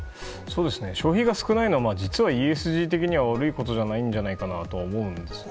消費が少ないのは実は悪いことないんじゃないかなと思うんです。